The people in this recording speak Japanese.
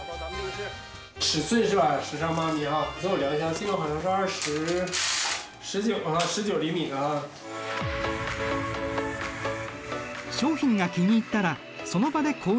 商品が気に入ったらその場で購入を決定。